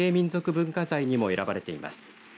文化財にも選ばれています。